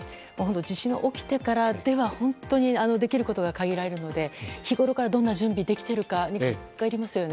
地震が起きてからでは本当にできることが限られるので日ごろからどんな準備ができているかですね。